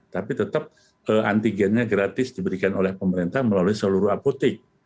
tapi tetap antigennya gratis diberikan oleh pemerintah melalui seluruh apotek